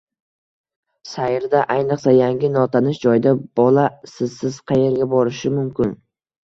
Sayrda, ayniqsa yangi, notanish joyda bola sizsiz qayerga borishi mumkin